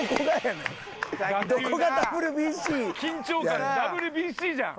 緊張感ＷＢＣじゃん。